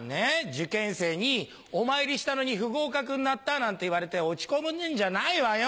受験生に「お参りしたのに不合格になった」なんて言われて落ち込んでんじゃないわよ。